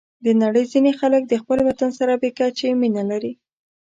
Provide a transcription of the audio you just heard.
د نړۍ ځینې خلک د خپل وطن سره بې کچې مینه لري.